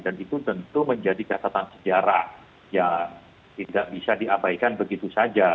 dan itu tentu menjadi kasatan sejarah yang tidak bisa diabaikan begitu saja